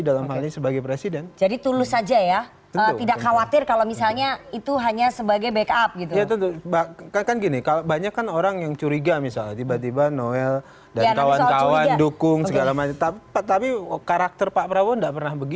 dalam hal ini sebagai presiden